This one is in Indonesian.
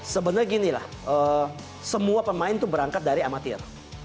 sebenarnya ginilah semua pemain itu berangkat dari amatir